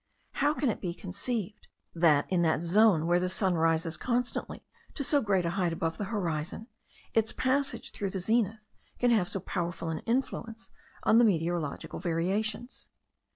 How can it be conceived, that in that zone where the sun rises constantly to so great a height above the horizon, its passage through the zenith can have so powerful an influence on the meteorological variations?